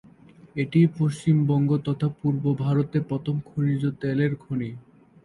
এটিই পশ্চিমবঙ্গ তথা পূর্ব ভারতে প্রথম খনিজ তেলের খনি।